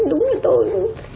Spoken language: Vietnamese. đúng là tôi